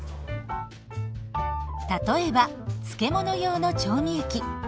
例えば漬物用の調味液。